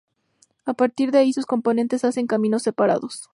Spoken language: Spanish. A partir de ahí sus componentes hacen caminos separados.